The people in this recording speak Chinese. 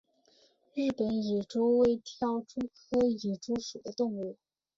日本蚁蛛为跳蛛科蚁蛛属的动物。